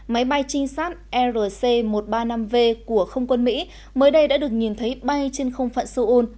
máy bay trinh sát rc một trăm ba mươi năm v của không quân mỹ mới đây đã được nhìn thấy bay trên không phận seoul